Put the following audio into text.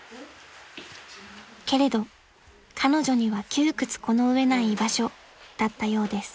［けれど彼女には窮屈この上ない居場所だったようです］